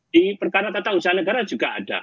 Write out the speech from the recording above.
di perkara tata usaha negara juga ada